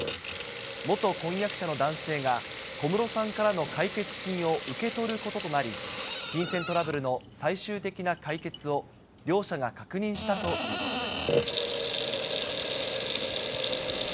元婚約者の男性が小室さんからの解決金を受け取ることとなり、金銭トラブルの最終的な解決を両者が確認したということです。